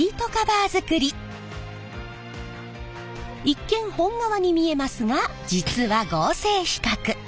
一見本革に見えますが実は合成皮革！